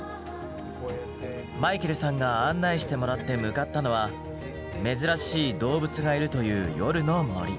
マイケルさんが案内してもらって向かったのは珍しい動物がいるという夜の森。